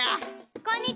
こんにちは。